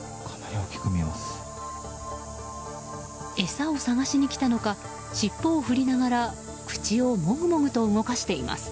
餌を探しに来たのか尻尾を振りながら口をモグモグと動かしています。